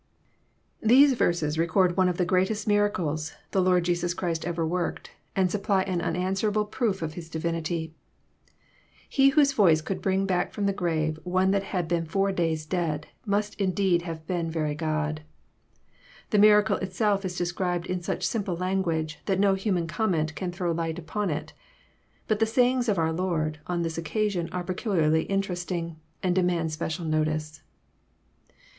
These verses record one of the greatest miracles the Lord Jesus Christ ever worked, and supply an unanswerable proof of His divinity. He whose voice could bring back from the grave one that had been four days dead, must indeed have been very God I The miracle itself is described in such simple language that no human comment can throw light upon it. But the sayings of our Lord on this occasion are peculiarly interesting, and demand special notice.